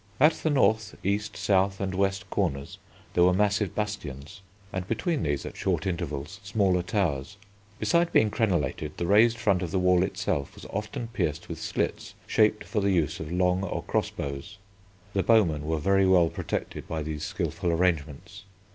At the north, east, south, and west corners there were massive bastions, and between these, at short intervals, smaller towers. Besides being crenellated the raised front of the wall itself was often pierced with slits shaped for the use of long or cross bows. The bowmen were very well protected by these skilful arrangements.